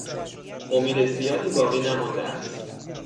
امید زیادی باقی نمانده است.